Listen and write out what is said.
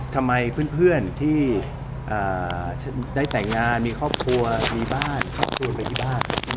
ทำไมเพื่อนที่ได้แต่งงานมีครอบครัวมีบ้านครอบครัวไปที่บ้าน